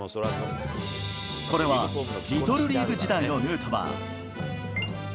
これはリトルリーグ時代のヌートバー。